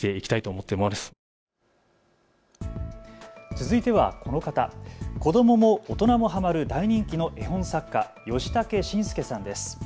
続いてはこの方、子どもも大人もはまる大人気の絵本作家、ヨシタケシンスケさんです。